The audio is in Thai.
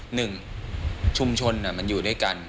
หนึ่งชุมชนมันอยู่ด้วยกัน